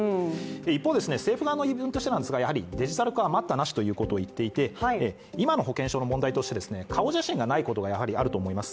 一方、政府側の言い分なんですがやはりデジタル化は待ったなしといっていて今の保険証の問題として顔写真がないことがやはりあると思います。